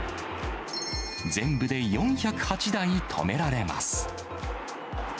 全部で４０８台止められます。